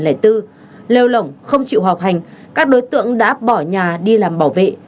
lêu lỏng không chịu học hành các đối tượng đã bỏ nhà đi làm bảo vệ